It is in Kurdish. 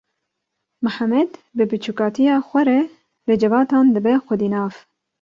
Mihemed bi biçûkatiya xwe re li civatan dibe xwedî nav.